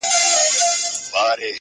او پوره د خپلي میني مدعا کړي.!